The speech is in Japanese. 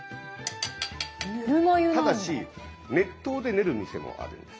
ただし熱湯で練る店もあるんです。